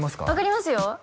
分かりますよ